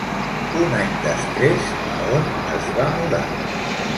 Un any després, a on es va mudar?